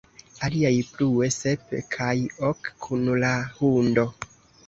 Aliaj plue: "Sep, kaj ok kun la hundo".